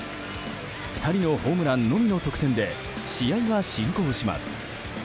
２人のホームランのみの得点で試合は進行します。